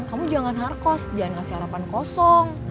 kamu jangan harkos jangan ngasih harapan kosong